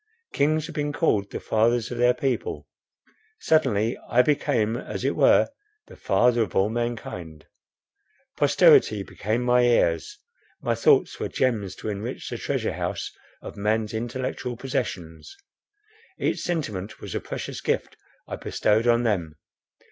Kings have been called the fathers of their people. Suddenly I became as it were the father of all mankind. Posterity became my heirs. My thoughts were gems to enrich the treasure house of man's intellectual possessions; each sentiment was a precious gift I bestowed on them.